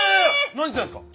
何言ってんすか。